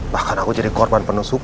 bahkan aku jadi korban penuh sukses